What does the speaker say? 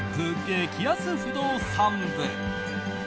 激安不動産部。